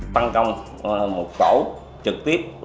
tăng công một cổ trực tiếp